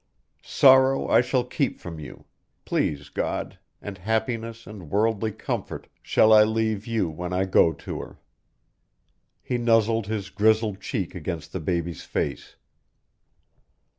Sorrow I shall keep from you, please God, and happiness and worldly comfort shall I leave you when I go to her." He nuzzled his grizzled cheek against the baby's face.